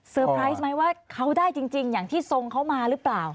ไพรส์ไหมว่าเขาได้จริงอย่างที่ทรงเขามาหรือเปล่า